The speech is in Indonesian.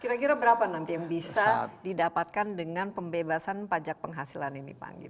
kira kira berapa nanti yang bisa didapatkan dengan pembebasan pajak penghasilan ini pak anggi